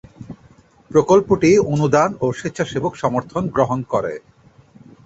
প্রকল্পটি অনুদান ও স্বেচ্ছাসেবক সমর্থন গ্রহণ করে।